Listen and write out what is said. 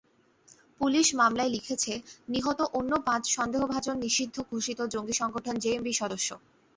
Police মামলায় লিখেছে, নিহত অন্য পাঁচ সন্দেহভাজন নিষিদ্ধ ঘোষিত জঙ্গি সংগঠন জেএমবির সদস্য।